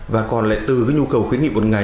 và còn lại từ cái nhu cầu khuyến nghị một ngày